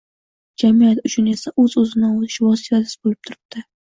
jamiyat uchun esa o‘z-o‘zini ovutish vositasi bo‘lib turibdi.